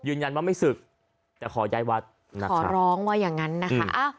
ยืนยันว่าไม่ศึกแต่ขอย้ายวัดขอร้องว่าอย่างนั้นนะคะ